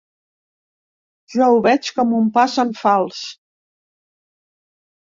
Jo ho veig com un pas en fals.